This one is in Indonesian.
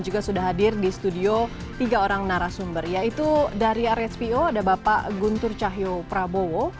juga sudah hadir di studio tiga orang narasumber yaitu dari rspo ada bapak guntur cahyo prabowo